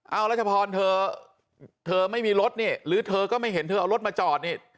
เอารัชพรเธอเธอไม่มีรถนี่หรือเธอก็ไม่เห็นเธอเอารถมาจอดนี่